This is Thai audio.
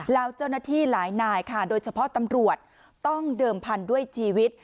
แล้วเจ้าหน้าที่หลายนายค่ะโดยเฉพาะตำรวจต้องเดิมพันธุ์ด้วยชีวิต